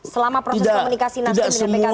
selama proses komunikasi nasib dengan pkb itu